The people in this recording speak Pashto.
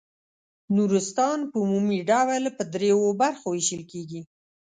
نورستان په عمومي ډول په دریو برخو وېشل کیږي.